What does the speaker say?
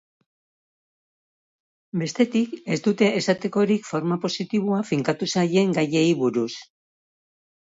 Bestetik, ez dute esatekorik forma positiboa finkatu zaien gaiei buruz.